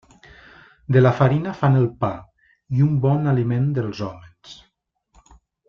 De la farina fan el pa, un bon aliment dels hòmens.